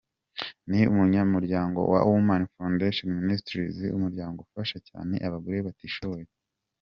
Ni umunyamuryango wa Women Foundation Ministries umuryango ufasha cyane abagore batishoboye.